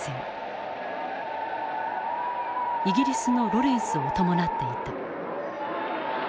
イギリスのロレンスを伴っていた。